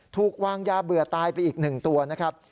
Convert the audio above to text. ถูกวางยาเบื่อตายไปอีก๑ตัวนะครับ